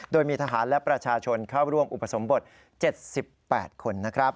โดยมีทหารและประชาชนเข้าร่วมอุปสมบท๗๘คนนะครับ